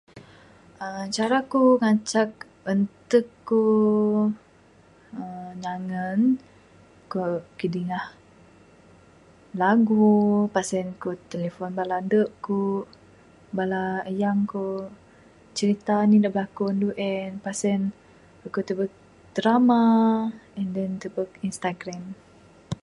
Cara ku ngancak entek ku uhh nyangen ku ra kidingah lagu pas en ku telifon bala ande ku bala ayang ku cirita anih da berlaku andu en pas en, ku tubek drama, pas en ku tubek Instagram.